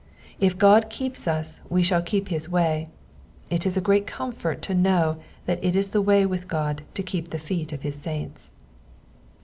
If God keeps us we shall keep his way ; and it is a great comfort to know that it is the way with God to keep the feet of his saints.